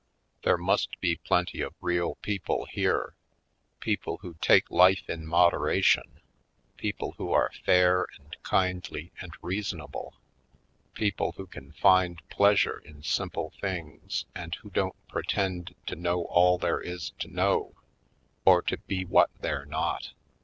There must be plenty of real people here — people who take life in moderation ; people who are fair and kind Oiled Skids 179 ly and reasonable; people who can find pleasure in simple things and who don't pretend to know all there is to know, or to be what they're not.